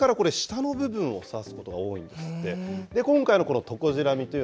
ノミはひざから下の部分を刺すことが多いんですって。